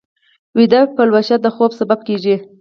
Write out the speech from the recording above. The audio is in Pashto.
ویده پلوشې د خوب سبب کېږي